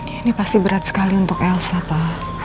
ini pasti berat sekali untuk elsa pak